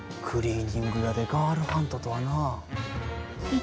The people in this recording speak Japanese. クリーニング屋でガールハントとはなあ。